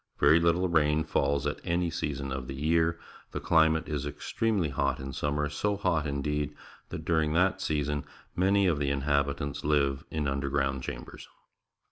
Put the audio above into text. Very httle rain falls at any season of the year. The climate is extremely hot in summer, so hot, indeed, that during that season many of the inhabitants five in imderground chambers.